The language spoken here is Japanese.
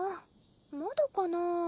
まだかなぁ。